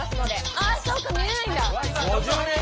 あっそっか見えないんだ。